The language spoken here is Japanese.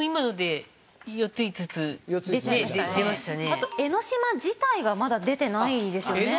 あと江の島自体がまだ出てないですよね。